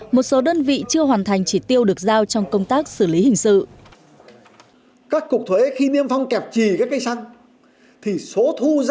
một số đơn vị chưa hoàn thành chỉ tiêu được giao trong công tác xử lý hình sự